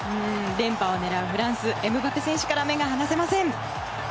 連覇を狙うフランス、エムバペ選手から目が離せません。